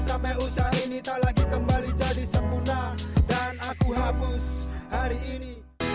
apa yang terjadi